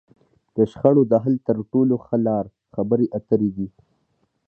د شخړو د حل تر ټولو ښه لار؛ خبرې اترې دي.